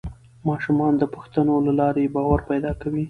ماشومان د پوښتنو له لارې باور پیدا کوي